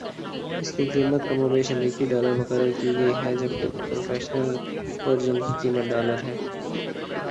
اسکی قیمت کم و بیش امریکی ڈالر مقرر کی گئ ہے جبکہ پروفیشنل ورژن کی قیمت ڈالر ہے